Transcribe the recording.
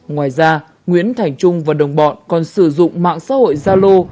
ngoài ra nguyễn thành trung và đồng bọn còn sử dụng mạng xã hội gia lô